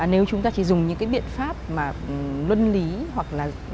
nếu chúng ta chỉ dùng những cái biện pháp mà luân lý hoặc là